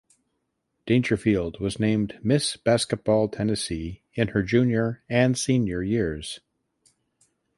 Dangerfield was named Miss Basketball Tennessee in her junior and senior years.